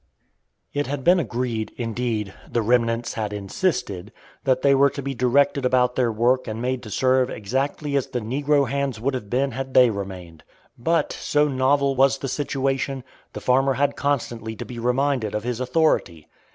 It had been agreed indeed, the "remnants" had insisted that they were to be directed about their work and made to serve exactly as the negro hands would have been had they remained. But, so novel was the situation, the farmer had constantly to be reminded of his authority.